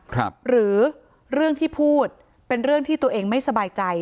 หรือเรื่องที่พูดเป็นเรื่องที่ตัวเองไม่สบายใจ